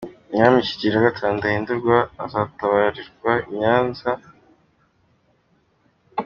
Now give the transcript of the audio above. Umwami Kigeli V Ndahindurwa azatabarizwa i Nyanza.